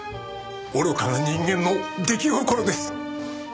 愚かな人間の出来心です。